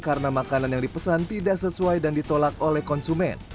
karena makanan yang dipesan tidak sesuai dan ditolak oleh konsumen